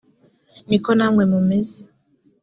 ni ko namwe mumeze